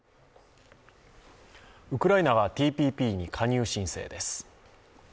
ウクライナがＴＰＰに加入申請です